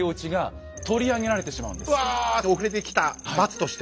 うわ遅れてきた罰として。